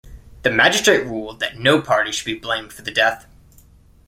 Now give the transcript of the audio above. The magistrate ruled that no party should be blamed for the death.